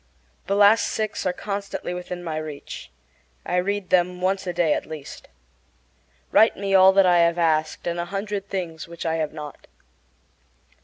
The last six are constantly within my reach. I read them once a day at least. Write me all that I have asked, and a hundred things which I have not.